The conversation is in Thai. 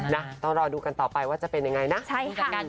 นะต้องรอดูกันต่อไปว่าจะเป็นยังไงนะ